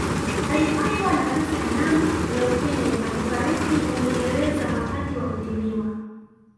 Alipatwa na kansa ya damu leukemia na kufariki Uingereza wakati wa kutibiwa